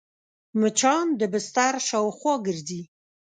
مچان د بستر شاوخوا ګرځي